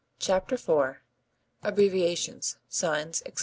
CHAPTER IV ABBREVIATIONS, SIGNS, ETC.